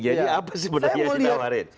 jadi apa sih menurutnya yang kita warin